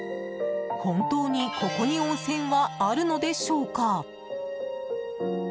本当にここに温泉はあるのでしょうか。